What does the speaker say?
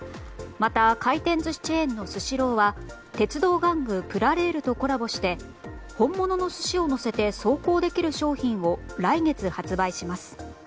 また回転寿司チェーンのスシローは鉄道玩具プラレールとコラボして本物の寿司をのせて走行できる商品を来月発売します。